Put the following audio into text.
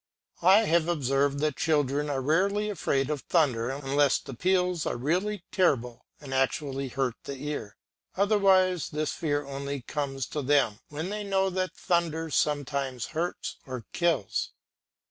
I have observed that children are rarely afraid of thunder unless the peals are really terrible and actually hurt the ear, otherwise this fear only comes to them when they know that thunder sometimes hurts or kills.